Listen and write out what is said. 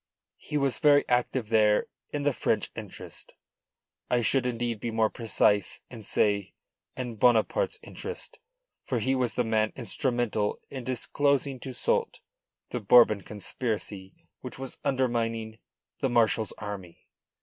He was very active there in the French interest; I should indeed be more precise and say in Bonaparte's interest, for he was the man instrumental in disclosing to Soult the Bourbon conspiracy which was undermining the marshal's army.